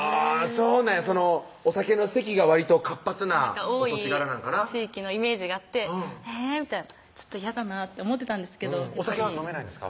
そうなんやお酒の席がわりと活発な多い地域のイメージがあってえぇみたいなちょっと嫌だなって思ってたんですけどお酒が飲めないんですか？